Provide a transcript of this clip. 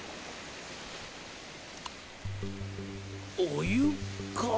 お湯か？